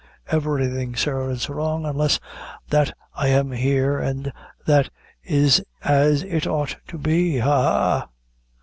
"Everything, sir, is wrong, unless that I am here, an' that is as it ought to be. Ha, ha!"